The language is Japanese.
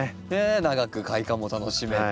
長く開花も楽しめて。